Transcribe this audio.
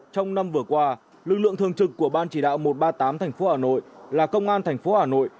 trong năm vừa qua lực lượng thường trực của ban chỉ đạo một trăm ba mươi tám tp hà nội là công an thành phố hà nội